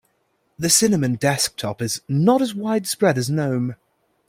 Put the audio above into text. The cinnamon desktop is not as widespread as gnome.